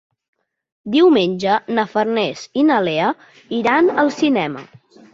Diumenge na Farners i na Lea iran al cinema.